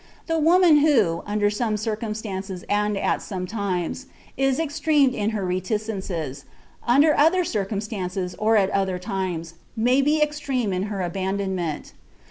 The woman who, under some circumstances and at some times, is extreme in her reticences, under other circumstances or at other times, may be extreme in her abandonment.